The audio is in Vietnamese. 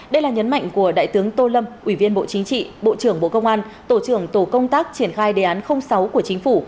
đây là nhấn mạnh của đại tướng tô lâm ủy viên bộ chính trị bộ trưởng bộ công an tổ trưởng tổ công tác triển khai đề án sáu của chính phủ